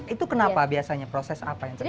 itu kenapa biasanya proses apa yang terjadi